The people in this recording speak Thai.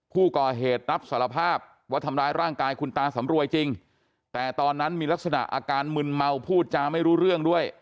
ผู้ก่อเหตุรับสารภาพว่าทำร้ายร่างกายคุณตาสำรวยจริง